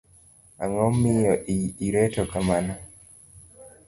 Ang'o miyo ireto kamano?